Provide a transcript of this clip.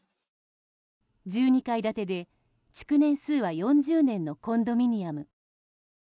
１２階建てで、築年数は４０年のコンドミニアム。